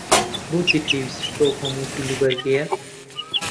بۆچی پێویستت بەو هەموو جلوبەرگەیە؟